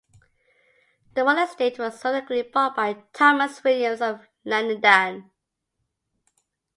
The Marle estate was subsequently bought by Thomas Williams of Llanidan.